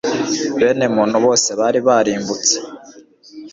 bene muntu bose bari barimbutse.